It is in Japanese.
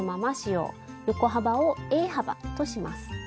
横幅をＡ幅とします。